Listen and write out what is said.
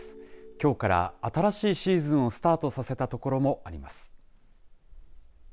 きょうから新しいシーズンをスタートさせたところもあります。